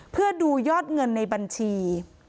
เพื่อดูยอดเงินในบัญชี